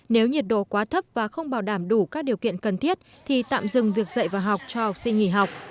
nếu nhiệt độ quá thấp và không bảo đảm đủ các điều kiện cần thiết thì tạm dừng việc dạy và học cho học sinh nghỉ học